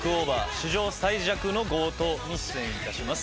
史上最弱の強盗』に出演いたします。